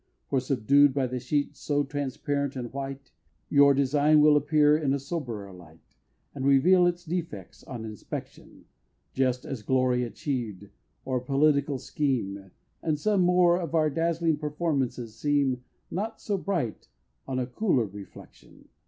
For, subdued by the sheet so transparent and white, Your design will appear in a soberer light, And reveal its defects on inspection, Just as Glory achieved, or political scheme, And some more of our dazzling performances seem, Not so bright on a cooler reflection.